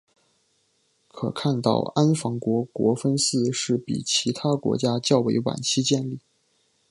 可看到安房国国分寺是比其他国家较为晚期建立。